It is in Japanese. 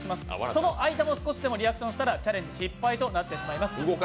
その間も少しでもリアクションしたらチャレンジ失敗となってしまいます。